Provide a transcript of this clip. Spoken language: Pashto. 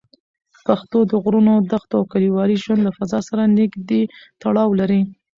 پښتو د غرونو، دښتو او کلیوالي ژوند له فضا سره نږدې تړاو لري.